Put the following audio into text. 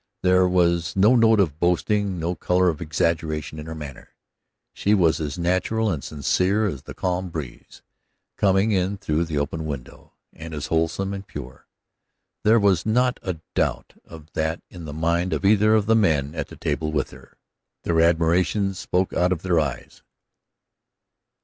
There was no note of boasting, no color of exaggeration in her manner. She was as natural and sincere as the calm breeze, coming in through the open window, and as wholesome and pure. There was not a doubt of that in the mind of either of the men at the table with her. Their admiration spoke out of their eyes.